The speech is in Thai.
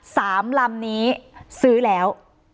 สามลำนี้ซื้อแล้ว